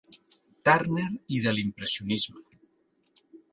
Turner i de l'impressionisme.